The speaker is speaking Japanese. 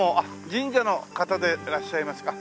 神社の方でいらっしゃいますか？